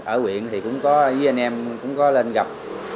ở quyện thì cũng có với anh em cũng có lên gặp